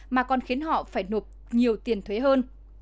mà còn khiến họ phải nộp nhiều tiền thuế hơn